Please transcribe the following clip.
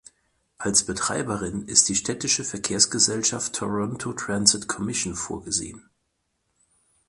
Als Betreiberin ist die städtische Verkehrsgesellschaft Toronto Transit Commission vorgesehen.